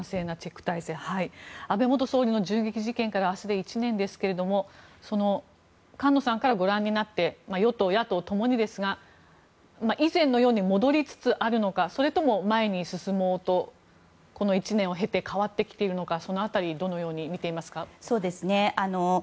安倍元総理の銃撃事件から明日で１年ですけども菅野さんからご覧になって与党、野党共にですが以前のように戻りつつあるのかそれとも前に進もうとこの１年を経て変わってきているのか、その辺りどのようにみていますか。